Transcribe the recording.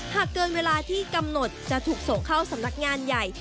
หากเกินเวลาที่กำหนดจะถูกส่งเข้าสำนักงานใหญ่